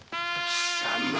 貴様